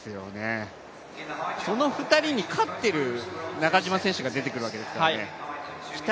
その２人に勝ってる中島選手が出てくるわけですからね。